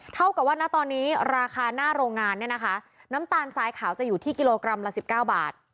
เท่ากับว่าณตอนนี้ราคาหน้าโรงงานเนี่ยนะคะน้ำตาลทรายขาวจะอยู่ที่กิโลกรัมละ๑๙บาท